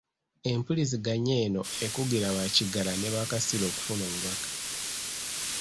Empuliziganya eno ekugira bakiggala ne bakasiru okufuna obubaka.